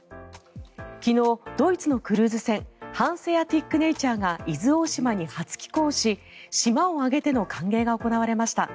昨日、ドイツのクルーズ船「ハンセアティック・ネイチャー」が伊豆大島に初寄港し島を挙げての歓迎が行われました。